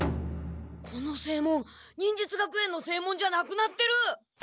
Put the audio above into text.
この正門忍術学園の正門じゃなくなってる！